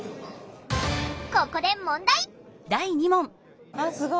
ここで問題！